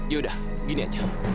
ya udah gini aja